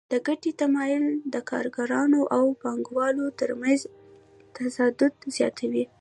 د ګټې تمایل د کارګرانو او پانګوالو ترمنځ تضاد زیاتوي